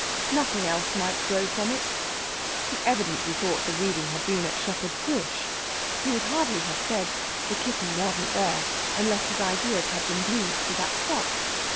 Nothing else might grow from it. He evidently thought the reading had been at Shepherd's Bush. He would hardly have said, "the kitten wasn't there," unless his ideas had been glued to that spot.